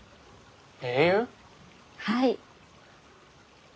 はい。